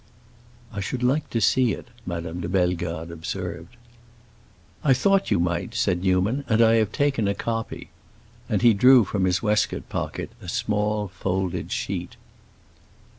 "I should like to see it," Madame de Bellegarde observed. "I thought you might," said Newman, "and I have taken a copy." And he drew from his waistcoat pocket a small, folded sheet.